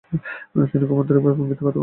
তিনি খুব আন্তরিক ভঙ্গিতে কথাবার্তা বললেন।